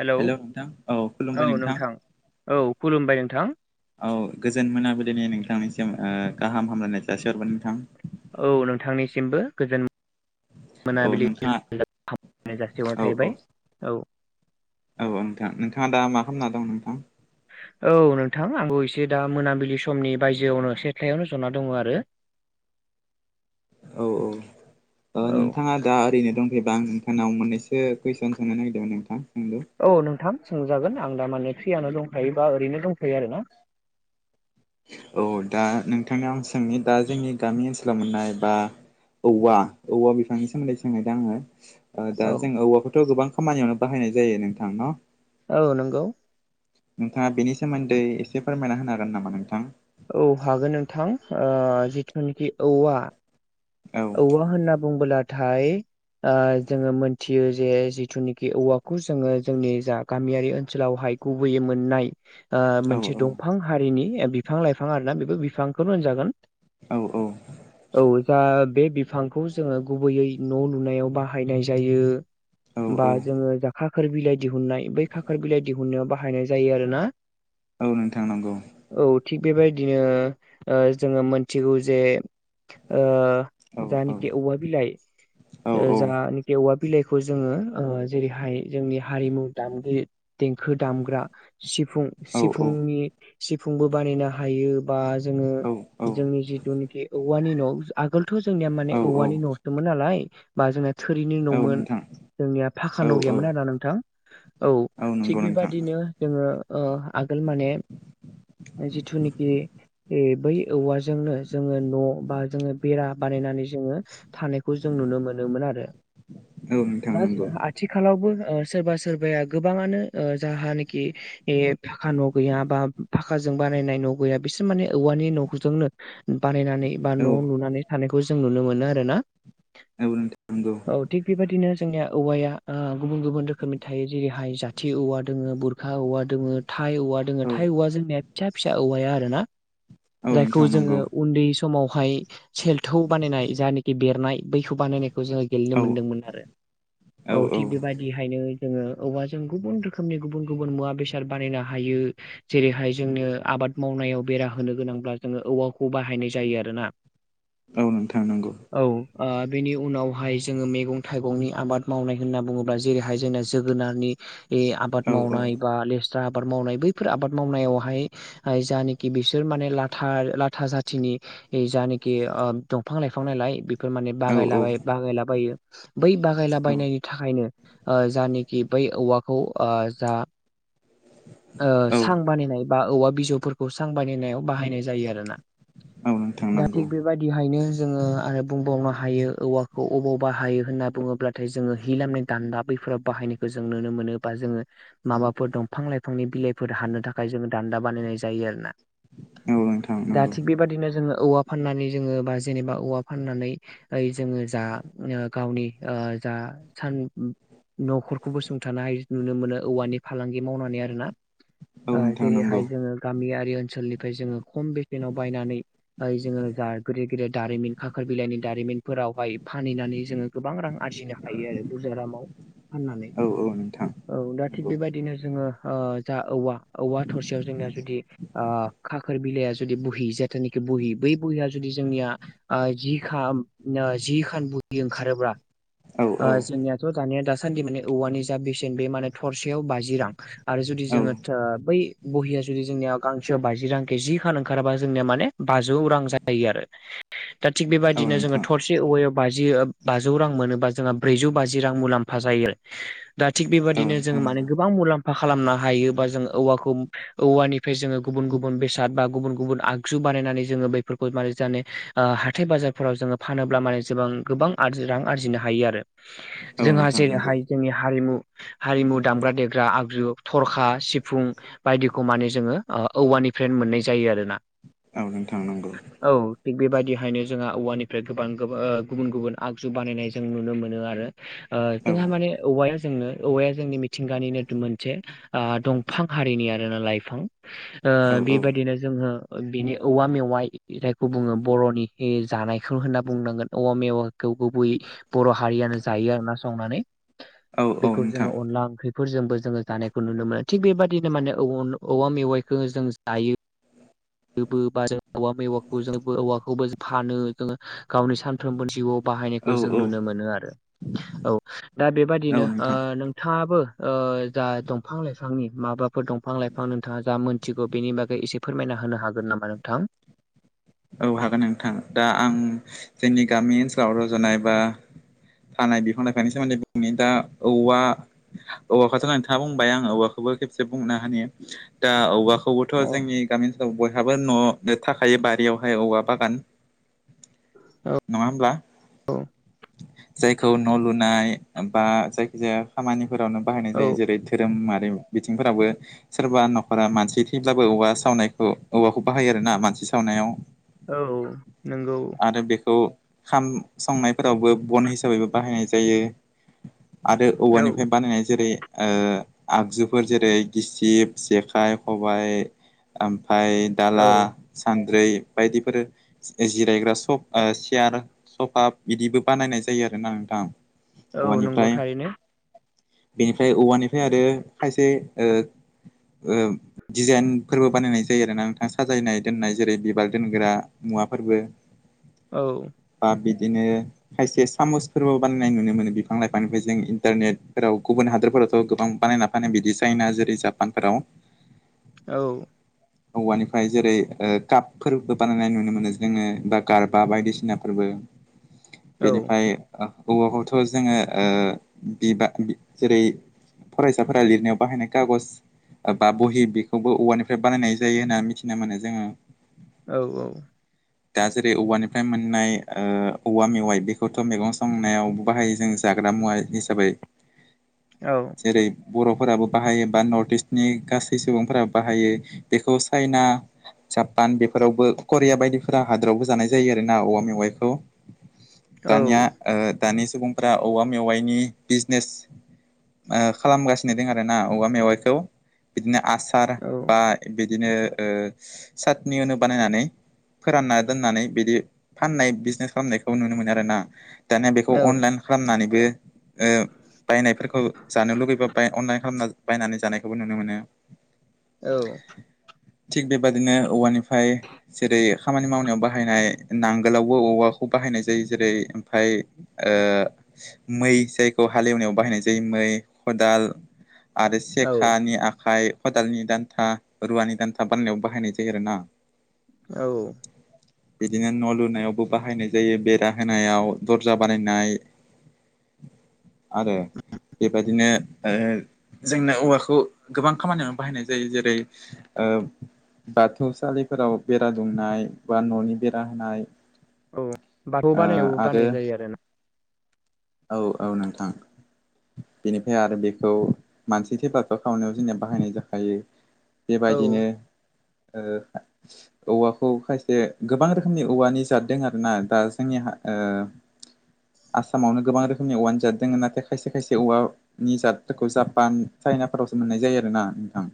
Hello hello नोंथां खुलुमबाय औ नोंथां औ खुलुमबाय नोंथां। औ गोजोन मोनाबोलिै नोंथांनिसिम गाहाम हामलायनाय जासिहरबाय नोंथां। औ नोंथांनिसिमबो गोजोन। औ मोनाबिलि नोंथाङा जारना औ थाहैबाय। औ औ औ नोंथां नोंथाङा दा मा खालामना दं नोंथां? औ नोंथां आंबो एसे दा मोनाबिलि समनि बायजोआवनो सेथायायावनो जना दङ आरो। औ औ ओ औ नोंथाङा दा ओरैनो दं। एबा आं नोंथांनाव मोननैसो कुइसन सोंनो नागिरदोंमोन नोंथां औ नोंथां सोंजागोन आं दा माने फ्रियनो दंखायोबा ओरैनो दंथयो आरो ना। औ दा नोंथांनाव आं सोंनि दा जोंनि गामि ओनसोलाव मोननाय बा? औवा औवा बिफांनि सोमोन्दै सोंनायदो आङो? ओ औ दा जों औवाखौथ‌ गोबां खामानियावनो बाहायनाय जायो नोंथां। औ नंगौ। नोंथाङा बेनि सोमोन्दै एसे फोरमायना होनो हागोन नामा नोंथां। औ हागोन नोंथां ओ‌ जिथुनिखि औवा। औ औवा होनना बुंबोलाथाय ओ जोङो मोनथियो जे जिथुनोखि औवाखौ जोङो जोंनि जा गामियारि ओनसोलावहाय। गुबैयै मोननाय। ओ औ मोनसे औ दंफां हारिनि बिफां लाइफां आरोना बेबो बिफांखौनो होनजागोन। औ औ। औ जा बे बिफांखौ जोङो गुबैयै न लुनायाव बाहायनाय जायो। औ औ बा जोङो जा खाखोर बिलाइ दिहुननाय बै खाखोर बिलाइ दिहुननायाव बाहायनाय जायो आरोना। औ नोंथां‌ नंगौ। औ थिग बेबायदिनो ओ‌‌ जोङो मोनथिगौ जे ओ औ औ जानिकि औवा बिलाइ औ ओ औ जोंहा औवा बिलाइखौ जोङो ओ जेरैहाय जोंनि हारिमु दामगिरि देंखो दामग्रा सिफुं औ सिफुंनि सिफुंबो बानायनो हायो। बा जोङो जोंनि जिथुनिखि औवानि न आगोलथ जोंनिया औ माने औवानि न नसोमोन नालाय बा जोंनिना थोरिनि औ नमोन नोंथां जोंनिया फाखा औ न' औ गैयामोन आरो‌ना नोंथां। औ नंगौ थिग नोंथां बेबादिनो जोङो ओ आगोल माने जिथुनिकि बै औवाजोंनो जोङो। न' बा जोङो बेरा बानायनानै जोङो। थानायखौ जों नुनो मोनोमोन आरो। औ नोंथां नंगौ आथिखालावबो ओ सोरबा सोरबाया गोबाङानो ओ जाहानोखि। ए फाखा न गैया बा फाखाजों बानायनाय न गैया बिसोर माने औवानि न'खजोंनो बानायनानै बा औ न लुनानै थानायखौ जों नुनो मोनो आरो ना। औ नोंथां नंगौ। औ थिग बेबादिनो जोंनिया औवाया ओ गुबुन गुबुन रोखोमनि थायो जेरैहाय जाथि औवा दोङो बुर खा औवा दोङो। थाइ औवा दोङो औ थाइ औवा जोंनिया फिसा फिसा औवाया आरो ना औ जायखौ नोंथां नंगौ जोङो उन्दै स समावहाय सेल्थौ बानायनाय जानोकि बेरनाय बैखौ बानायनायखौ जोङो। गेलेनो औ मोनदोंमोन आरो औ थिग बेबायदि। बेहायनो जोङो औवाजों गुबुन रोखोमनि गुबुन गुबुन मुवा बेसाद बानायनो हायो जेरैहाय जोंनो आबाद मावनायाव बेरा होनो गोनांब्ला जोङो औवाखौ बाहायनाय जायो आरोना। औ नोंथां नंगौ। औ ओ बेनि उनावहाय जोङो मैगं थाइगंनि आबाद मावनाय होनना बुङोब्ला जेरैहाय जोंनो जोगोनारनि इ औ आबाद औ मावनाय बा लेस्रा आबाद मावनाय बैफोर आबाद मावनायावहाय हाय जानिकि बिसोर माने लाथा लाथा जाथिनि जिनिक कि ओ दंफां लाइफां नायलाय बेफोर माने औ बागायलाबाय बागायलाबायो। बै बागायलाबायनायनि थाखायनो ओ जानोखि बै औवाखौ ओ जा ओ सां औ बानायनाय बा औवा बिजौफोरखौ सां बानायनायाव बाहायनाय जायो आरो ना। औ नोंथां नंगौ। बायदिहायनो जोङो आरो बुंबावनो हायो औवाखौ अबाव बाहायो होनना बुङोब्ला थाय जोङो हि लामनाय दान्दा बैफोराव बाहायनायखौ जों नुनो मोनो बा जोङो माबाफोर दंफां लाइफांनि बिलाइफोर हानो थाखाय जोङो दान्दा बानायनाय जायो आरो ना। औ नोंथां दा नंगौ थिग बेबादिनो जोङो औवा फाननानै जोङो बा जेनेबा औवा फाननानै ओइ जोङो जा गावनि जा ओ सान न'खरखौ गोसंथानो हाय नुनो मोनो औवानि फालांगि मावनानै आरो ना। औ ओ नोंथां नंगौ जेरैहाय जोङो गामियारि ओनसोलनिफ्राय जोङो खम बेसेनाव बायनानै ओइ जोङो जा गिदिर गिदिर दारिमिन खाखोर बिलाइनि दारिमिनफोरावहाय फानहैनानै जोङो गोबां रां आरजिनो हा थायो आरो बुरजारामाव फाननानै। औ औ नोंथां औ दा थिग नंगौ बेबायदिनो जोङो जा औवा औवा थरसेयाव जोंना जुदि आ खाखोर बिलाइाया जुदि बह जाथोनोखि बहि बै बहिया जुदि जोंनिया आ जिखाम ओ जिखान बुहि ओंखारोब्ला औ ओ औ जोंनियाथ' दानिया दासान्दि माने औवानि जा बेसेन बे माने थरसेयाव बाजि रां। आरो जुदि जोङो थो बै बहिया जुदि जोंनिया गांसेयाव बाजि रांखे जि खान ओंखाराबा जोंनिया माने बाज जौ रां जायो आरो दा थिग औ बेबायदिनो जोङो नोंथां थस बे औवायाव बाजि ओ बाजौ रां मोनोबा जोंहा ब्रैजौ बाजि रां मुलाम्फा जायो। [inaudible] दा थिग औ बेबायाददिनो नोंथां जोङो माने नंगौ गोबां मुलाम्फा खालामनो हायो बा जों औवाखौ औवानि बेजोङो गुबुन बेसाद बा गुबुन गुबुन आगु बानायनानै जोङो बेफोरखौ माने जाने हाथाय बाजारफोराव जोङो फानोब्ला माने जबां गोबां रां आरजिनो हायो आरो। औ जोंहा नोंथां नंगौ जेरैहाय जोंनि हारिमु हारिमु दामग्रा देग्रा आगजु थरखा सिफुं बायदिखौ माने जोङो औवानिफ्राय मोननाय जायो आरो ना। औ नोंथां नंगौ। औ थिग बेबायदिहायनो जोंहा औवानिफ्राय गोबां गोब ओ गुबुन गुबुन आगजु बानायनाय जों नुनो मोनो आरो। ओ जोंहा औ माने औवाया जोंनो औवाया जोंनि मिथिंगानिनो मोनसे आ दंफां हारिनि आरोना लाइफां ओ औ औ बेबायदिनो जोङो बिनि औवा मेवाइ जायखौ बुङो बर'नि जानायखौ होनना बुंनांगोन औवा मेवाखौ गुबैयै बर' हारियानो जायो आर ना संनानै औ औ बेखौ नोंथां जोङो अनला ओंख्रि फोरजोंबो जोङो जानायखौ नुनो मोनो थिग बेबदिनो माने औवा मेवाइखौ जों जायो बो। बा [unintelligible] औवाखौबो फानो जों गावनि सानफ्रोमबो जिउआव औ बाहायनायखौ जों औ नुनो मोनो आरो औ। दा औ बेबादिनो ओ नोंथां नोंथाङाबो जा दंफां लाइफांनि माबाफोर दंफां लाइफां नोंथाङा जा मोनथिगौ बेनि बागै एसे फोरमायना होनो हागोन नामा नोंथां। औ हागोन नोंथां। दा आं जोंनि गामि ओनसोलाव रज'नाय बा थानाय बिफां लाइ फानि सोमोन्दै बुंनि दा औवा औवाखौथ' नोंथाङा बुंबाय आं औवाखौबो खेबसे बुंनो हायो दा औबवाखौबोथ' औ जोंनि गामिन ओ बयहाबो न' थाखायो बारियावहाय औवा बागान। नङा होमब्ला? औ जायखौ न' लुनाय बा जायखिजाया खामानिफोरावनो बाहायनाय औ जायो जेरै धोरोमारि बिथिंफोरावबो सोरबा न'खरा मानसि थैब्लाबो औवा सावनायखौ औवाखौ बाहायो आरोना मानसि सावनायाव। औ नोंगौ। आरो बेखौ खाम संनायफोरावबो बन हिसाबैबो बाहायनाय जायो। आरो औ औवानिफ्राय बानायनाय जेरै आगजुफोर जेरै गिसिब, जेखाइ, खबाइ ओमफ्राय औ दाला, सान्द्रै बायदिफोर जिरायग्रा सफ ओ सियार सफा बिदिबो बानायनाय जायो आरो ना नोंथां औ नंगौ औवानिफ्राय। थारैनो बेनिफ्राय औवानिफ्राय आरो खायसे ओ डिजाइनफोरबो बानायनाय जायो आरोना नोंथां साजायनाय दोननाय जेरै बिबार दोनग्रा मुवाफोरबो औ। बा बिदिनो खायसे सामसफोरबो बानायनाय नुनो मोनो बिफां लाइफांनिफ्राय जों इन्टारनेटफोराव गुबुन हादरफोरावथ' गोबां बानायना माने बिदि चाइना जेरै जापानफोराव। औ। औवानिफ्राय जेरै ओ कापफोरबो बानायनाय नु नो मोनो जोङो बा गारबा बायदिसिनाफोरबो। औ बेनिफ्राय ओ औवाखौथ' जोङो बिबा जेरै फरायसाफोरा लिरनायाव बाहायनाय खागज बा बहि बेखौबो औवानिफ्राय बानायनाय जायो होननानै मिथिनो मोनो जोङो। औ औ। दा जेरै औवानिफ्राय मोननाय ओ औवा मेवाइ बेखौथ' मैगं संनायाव बाहायो जों जाग्रा मुवा हिसाबै। औ। जेरै बर'फोराबो बाहायो बा नर्थ इस्टनि गासै सुबुंफोराबो बाहायो। बेखौ चाइना, जापान बेफोरावबो करिया बायदि फोरा हादोरावबो जानाय जायो आर ना औवा मेवाइखौ। औ दानिया ओ दानि सुबुंफ्रा औवा मेवाइनि बिजनेस ओ खालामगासिनो दं आरो ना औवा मेवाइखौ बिदिनो आसार बा औ बिदिनो ओ साटनि होनो बानायनानै, फोरानना दोननानै बिदि फाननाय बिजनेस खालामनायखौ नुनो मोनो आरो ना दानिया बेखौ अनलाइन खालामनानैबो ओ बायनायफोरखौ जानो लुुबैबा बाय अनलाइन खालामना बायनानै जानायखौबो नुनो मोनो। औ। थिग बेबादिनो औवानिफ्राय जेरै खामानि मावनायाव बाहायनाय नांगोलावबो औवाखौ बाहायनाय जायो जेरै ओमफाय ओ मै जायखौ हालेवनायाव बाहायनाय जायो मै, खदाल आरो औ सेखानि आखाइ, खदालनि दान्था, रुवानि दान्था बानायनायाव बाहायनाय जायो आरो ना। औ। बिदिनो न' लुनायावबो बाहायनाय जायो बेरा होनायाव, दर्जा बानायनाय। आरो बेबायदिनो जोंनो औवाखौ गोबां खामानियावनो बाहायनाय जायो जेरै ओ बाथौ सालिफोराव बे रा दुमनाय बा न'नि बेरा होनाय। औ बाथौ ओ बानायावबो आरो बानाय जायो आरो ना। औ औ नोंथां। बेनिफ्राय आरो बेखौ मानसि थैबाथ' सावनायाव जोंनिया बाहायनाय जाखायो। औ बेबायदिनो ओ औवाखौ खायसे गोबां रोखोमनि औवानि जाद दों आरोना दा जोंनि हा ओ आसामावनो गोबां रोखोमनि औवानो जादोंमोन नाथाय खायसे खायसे औवा निजादफोरखौ जापान चाइनाफोरावसो मोननाय जायो आरोना नोंथां।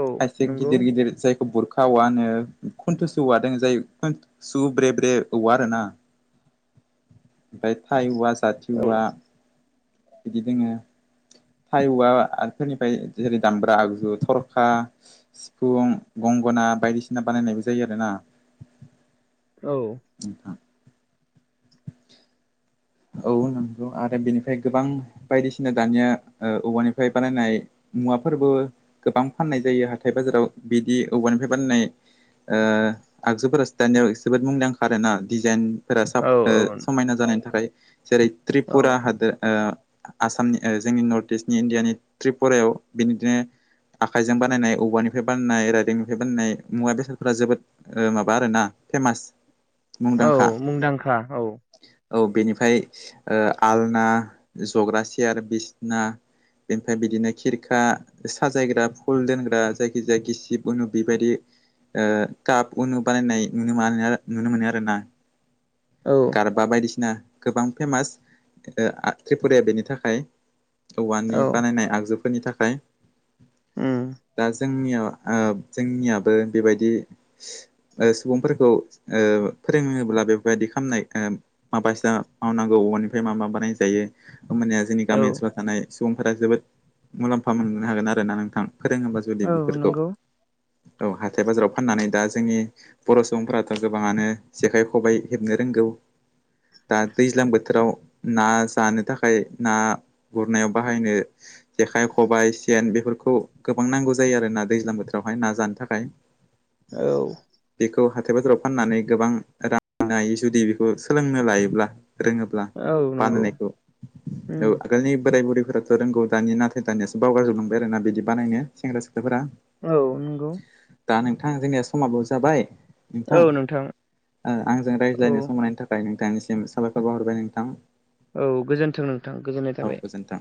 औ खायसे नंगौ गिदिर गिदिर जायखौ बुरखा औवा होनो। खन्थ'सो औवादों जाय खुन्सु ब्रे ब्रे औवा आरो ना। ओमफ्राय थाइ औवा जाथि औ औवा बिदि दोङो। थाय औवाफोरनिफ्राय जेरै दामब्रा आगजु थरखा। सिफुं गंगना बायदिसिना बानायनायबो जायो आरोना। औ। नोथां। औ नंगौ आरो बेनिफ्राय गोबां बायदिसिना दानिया ओ औवानिफ्राय बानायनाय। मुवाफोरबो गोबां फाननाय जायो हाथाय बाजाराव बिदि औवानिफ्राय बानानाय। ओ आगजुफोरा सि दानायाव जोबोद मुंदांखा आरोना डिजाइन फोरा साब औ समायना जानायनि थाखाय जेरै त्रिपुरा हादोर ओ आसामनि ओ जोंनि नर्थ इस्टनि इण्डियानि त्रिपुरायाव बिनिदिनो आखाइजों बानायनाय औवानिफ्राय बानायनाय राइदोंनिफ्राय बानायनाय मुवा बेसादफोरा जोबोद ओ माबा आरो ना फेमास। औ मुंदांखा मुंदांखा औ। औ बेनिफ्राय ओ आलना जग्रा सियार बिसना बेनिफ्राय बिदिनो खिरखा साजायग्रा फुल दोनग्रा जायखि जायाखि गिसिब उनु बेबायदि। ओ टाप उनु बानायनाय नुनो- नुनो मोनो आरोना औ। बा बायदिसिना गोबां फेमास ओ आ त्रिपुराया बेनि थाखाय। औवानि औ बानायनाय आगजुफोरनि थाखाय। दा जोंनियाव ओ जोंनियाबो बेबायदि ओ सुबुंफोरखौ ओ फोरोङोब्ला बेफोरबायदि खालामानाय ओ माबासा मावनांगौ औबवानिफ्राय मा मा बानायजायो होमबानिया जोंनि गामि ओनसोलाव थानाय सुबुंफोरा जोबोद मुलाम्फा मोननो हागोन आरोना नोंथां फोरोङोबा जुदि औ बेफोरखौ। नंगौ औ हाथाय बाजाराव फाननानै दा जोंनि बर' सुबुंफोराथ' गोबाङानो जेखाइ खबाइ हेबनो रोंगौ दा दैज्लां बोथोराव ना जानो थाखाय ना गुरनायाव बाहायनो जेखाइ खबाइ सेन बेफोरखौ गोबां नांगौ जायो आरोना दैज्लां बोथोरावहाय ना जानो थाखाय। [inaudible] औ बेखौ हाथाय बाजाराव फाननानै गोबां मोननो हाथों जुदि बेखौ सोलोंनो लायोब्ला। रोङोब्ला औ नंगौ बानायनायखौ। औ औ आगोलनि बोराय बुरैफोराथ' रोंगौ दानिया नाथाय दानियासो बावगार जोबलांबाय आरो ना बिदि बानायनो सेंग्रा सिख्लाफोरा। औ नंगौ। दा नोंथां जोंनिया समाबाव जाबाय। नोंथां ओ आंजों औ रायज्लायनो सम होनायनि थाखाय नोंथांनिसिम साबायखर बावहरबाय नोंथां। औ गोजोन्थों नोंथां गोजोननाय औ थाबाय। गोजोन्थों